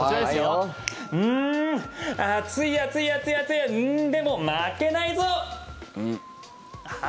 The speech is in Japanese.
はい、暑い暑い暑い暑いでも、負けないぞ！